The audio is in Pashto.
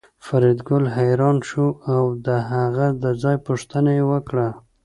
فریدګل حیران شو او د هغه د ځای پوښتنه یې وکړه